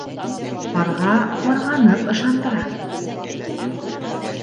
Ҡарға ҡарғанып ышандыра.